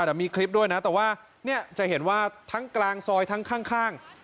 เดี๋ยวมีคลิปด้วยนะแต่ว่าเนี่ยจะเห็นว่าทั้งกลางซอยทั้งข้าง